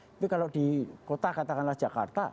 tapi kalau di kota katakanlah jakarta